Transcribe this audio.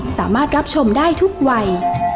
สามารถรับชมได้ทุกวัย